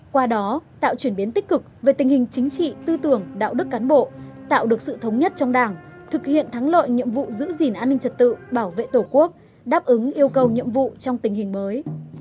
qua đó tạo chuyển biến tích cực về tình hình chính trị tư tưởng đạo đức cán bộ tạo được sự thống nhất trong đảng thực hiện thắng lợi nhiệm vụ giữ gìn an ninh trật tự bảo vệ tổ quốc đáp ứng yêu cầu nhiệm vụ trong tình hình mới